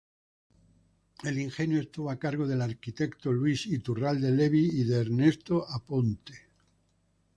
El ingenio estuvo a cargo del arquitecto Luis Iturralde Levy y de Ernesto Aponte.